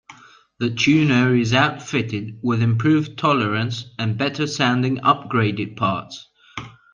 The tuner is outfitted with improved tolerance and better sounding upgraded parts.